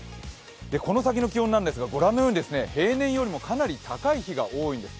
この先の気温なんですがご覧のように平年よりもかなり高い日が多いんです。